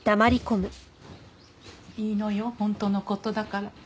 いいのよ本当の事だから。